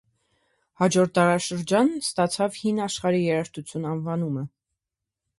Հաջորդ դարաշրջանն ստացավ «հին աշխարհի երաժշտություն» անվանումը։